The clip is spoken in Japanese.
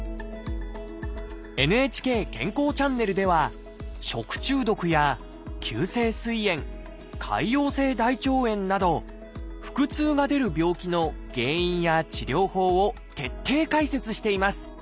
「ＮＨＫ健康チャンネル」では食中毒や急性すい炎潰瘍性大腸炎など腹痛が出る病気の原因や治療法を徹底解説しています。